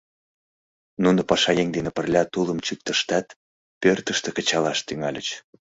Нуно пашаеҥ дене пырля тулым чӱктыштат, пӧртыштӧ кычалаш тӱҥальыч.